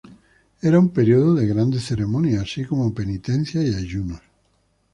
Era un periodo de grandes ceremonias, así como penitencias y ayunos.